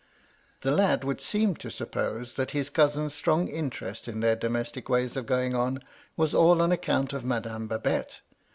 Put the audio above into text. The lad would seem to suppose, that his cousin's strong interest in their domestic ways of going on was all on account of Madame Babette.